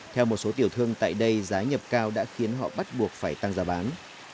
theo một số tiểu thương tại đây giá nhập cao đã khiến họ bắt buộc phải tăng giá bán